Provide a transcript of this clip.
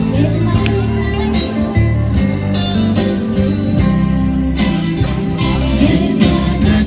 คราววัคซีซ่า